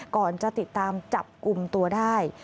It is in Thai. ก่อนจะติดตามจับกลุ่มตัวได้